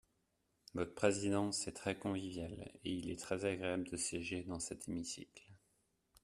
Votre présidence est très conviviale, et il est très agréable de siéger dans cet hémicycle.